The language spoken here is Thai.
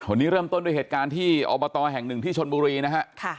วันนี้เริ่มต้นด้วยเหตุการณ์ที่อบตแห่งหนึ่งที่ชนบุรีนะฮะ